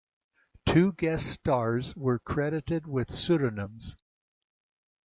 Two guest stars were credited with pseudonyms.